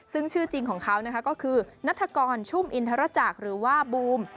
ซึ่งชื่อจริงของเขานะคะก็คือนัฐกรชุ่มอินทรจักรหรือว่าบูม